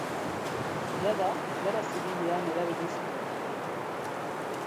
Jada Gerra Zibilean erabili zuten.